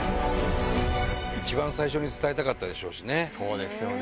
一番最初に伝えたかったでしそうですよね。